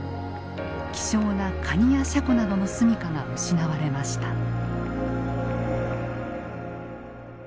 希少なカニやシャコなどの住みかが失われました。